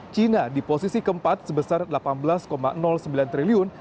cina di posisi keempat sebesar delapan belas sembilan triliun